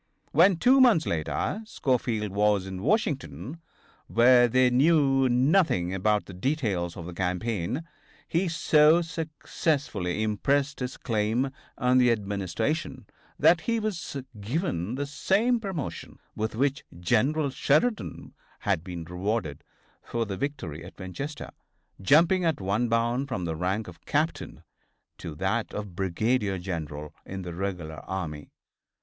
When, two months later, Schofield was in Washington, where they knew nothing about the details of the campaign, he so successfully impressed his claim on the Administration that he was given the same promotion with which General Sheridan had been rewarded for the victory at Winchester, jumping at one bound from the rank of captain to that of brigadier general in the regular army.